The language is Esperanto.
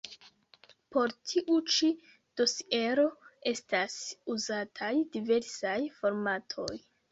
Por tiu ĉi dosiero estas uzataj diversaj formatoj.